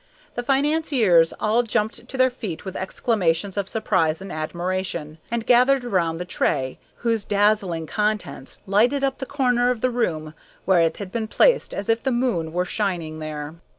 The financiers all jumped to their feet with exclamations of surprise and admiration, and gathered around the tray, whose dazzling contents lighted up the corner of the room where it had been placed as if the moon were shining there.